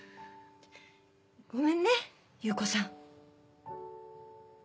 ごめんね優子さん。